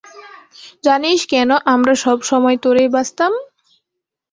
জানিস কেন আমরা সব সময় তোরেই বাছতাম?